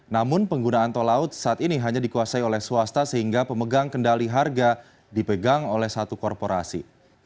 namun penggunaan tol laut saat ini hanya dikuasai oleh swasta sehingga pemegang kendali harga dipegang oleh satu korporasi